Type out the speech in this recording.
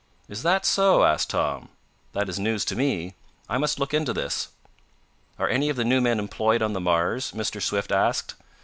"Is that so?" asked Tom. "That is news to me. I must look into this." "Are any of the new men employed on the Mars?" Mr. Swift asked.